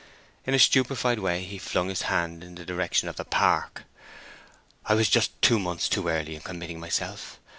In a stupefied way he flung his hand in the direction of the park. "I was just two months too early in committing myself.